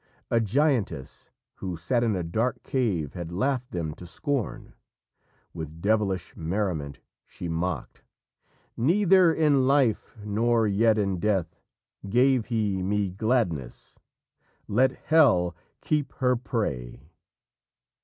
A giantess who sat in a dark cave had laughed them to scorn. With devilish merriment she mocked: "Neither in life, nor yet in death, Gave he me gladness. Let Hel keep her prey."